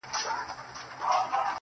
په دغسي شېبو كي عام اوخاص اړوي سـترگي.